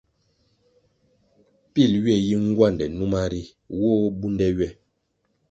Pil ywe yi ngwande numa ri, wu bo bunde ywe.